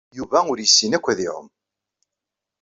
Yuba ur yessin akk ad iɛum.